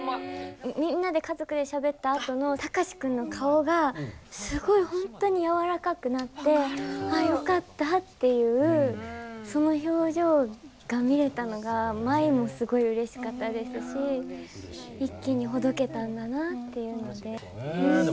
みんなで家族でしゃべったあとの貴司君の顔がすごい本当に柔らかくなって「ああよかった」っていうその表情が見れたのが舞もすごいうれしかったですし一気にほどけたんだなっていうので。